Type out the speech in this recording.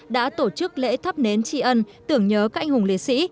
đã tổ chức lễ thắp nến tri ân tưởng nhớ các anh hùng liệt sĩ